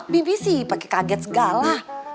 bibi sih pakai kaget segala